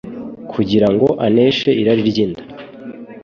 Kugira ngo aneshe irari ry’inda,